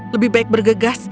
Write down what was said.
lebih baik bergegas